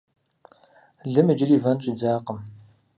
Лым иджыри вэн щӀидзакъым.